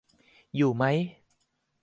อยู่ไหม